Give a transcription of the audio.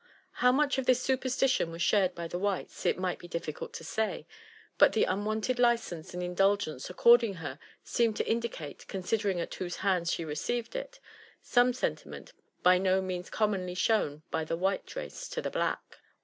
How much of %his superstitilion was shared by the whites, it might be difficult to say ; but the unwonted licence and indulgence accorded her seemed to indicate, considering at whose hands she re ceived it, some sentiment by no means commonly shown by the white race to the black.